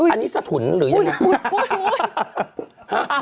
อันนี้สะทุนหรือยัง